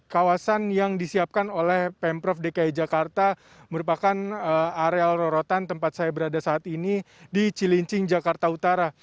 kawasan yang disiapkan oleh pemprov dki jakarta merupakan areal rorotan tempat saya berada saat ini di cilincing jakarta utara